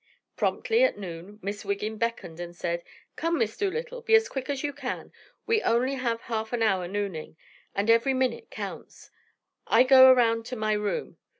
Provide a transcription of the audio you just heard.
Promptly at noon Miss Wiggin beckoned and said: "Come, Miss Dolittle, be as quick as you can. We only have half an hour nooning, and every minute counts. I go around to my room.